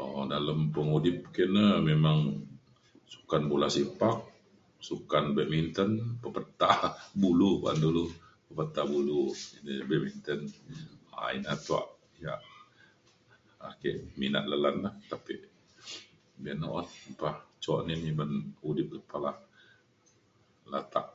um dalem pengudip ke' ne memang sukan bola sepak, sukan badminton peketa bulu ba'an dulu peketa bulu ina badminton um ina tuak ya' ake minat le lan la tapi be'un ne [unintelligible] udip lepa la latak